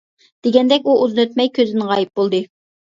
دېگەندەك، ئۇ ئۇزۇن ئۆتمەي كۆزدىن غايىب بولدى.